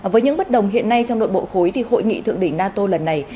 với những bất đồng hiện nay trong nội bộ khối thì hội nghị thượng đỉnh nato lần này